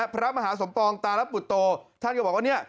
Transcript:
พระมหาสมปองตารับปุตโตท่านก็บอกว่าเนี่ย